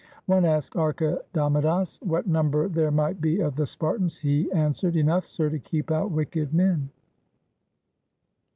One asked Archidamidas what number there might be of the Spartans; he answered, "Enough, sir, to keep out wicked men."